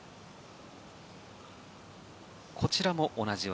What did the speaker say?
こちらも同じ技